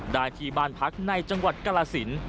ได้ที่บ้านพักในจังหวัดกรสิน